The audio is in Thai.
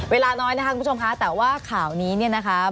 เวลาน้อยนะคะคุณผู้ชมค่ะแต่ว่าข่าวนี้เนี่ยนะคะ